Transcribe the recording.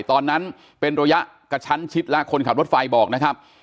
ตอนนั้นเป็นระยะกระชั้นชิดแล้วคนขับรถไฟบอกนะครับ